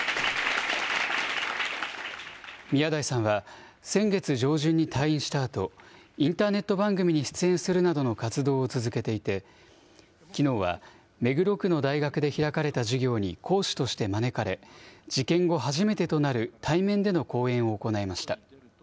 宮台さんは、先月上旬に退院したあと、インターネット番組に出演するなどの活動を続けていて、きのうは目黒区の大学で開かれた授業に講師として招かれ、事件後初めてとなる対面での講演を行いました。